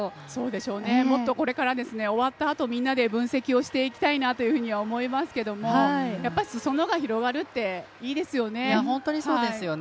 もっとこれから終わったあと、みんなで分析していきたいなと思いますけれどもやっぱりすそ野が広がるっていいですよね。